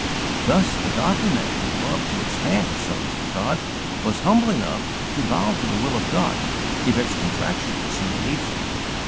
Thus the godly man who loved to expand his service for God was humble enough to bow to the will of God if its contraction seemed needful.